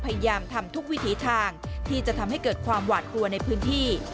พยายามทำทุกวิถีทางที่จะทำให้เกิดความหวาดกลัวในพื้นที่